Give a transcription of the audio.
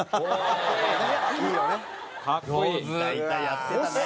やってたね。